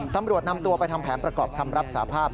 ตำรวจนำตัวไปทำแผนประกอบคำรับสาภาพ